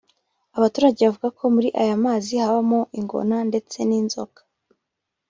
Abaturage bavuga ko muri aya mazi habamo ingona ndetse n’inzoka